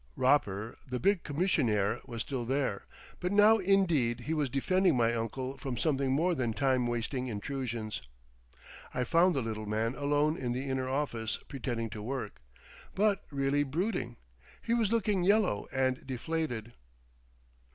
Ropper the big commissionaire was still there, but now indeed he was defending my uncle from something more than time wasting intrusions. I found the little man alone in the inner office pretending to work, but really brooding. He was looking yellow and deflated.